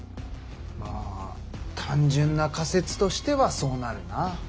まあ単純な仮説としてはそうなるな。